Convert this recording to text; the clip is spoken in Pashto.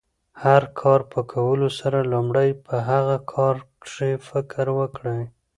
د هر کار په کولو سره، لومړی په هغه کار کښي فکر وکړئ!